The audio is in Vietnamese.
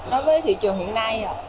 đối với thị trường hiện nay